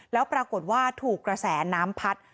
แล้วปรากฏว่าถูกกระแสน้ำพัด